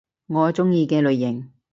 我鍾意嘅類型